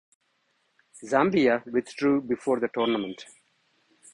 Zambia withdrew before the tournament.